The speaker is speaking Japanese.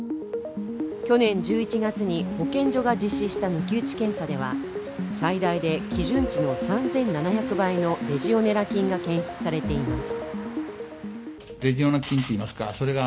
去年１１月に保健所が実施した抜き打ち検査では最大で基準値の３７００倍のレジオネラ菌が検出されています。